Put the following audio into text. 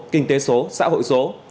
kinh tế số xã hội số